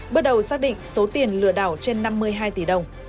bước đầu xác định số tiền lừa đảo trên năm mươi hai tỷ đồng